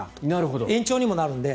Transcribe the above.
延長にもなるので。